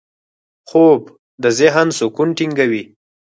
خوب د ذهن سکون ټینګوي